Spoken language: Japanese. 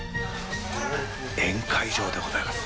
宴会場でございます。